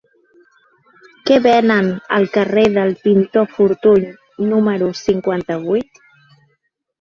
Què venen al carrer del Pintor Fortuny número cinquanta-vuit?